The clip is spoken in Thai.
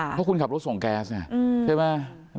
เพราะคุณขับรถส่งแก๊สไงใช่ไหม